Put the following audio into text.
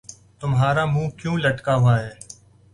تمہارا منہ کیوں لٹکا ہوا ہے